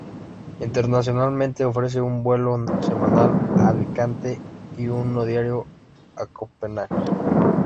Internacionalmente ofrece un vuelo semanal a Alicante y uno diario a Copenhague.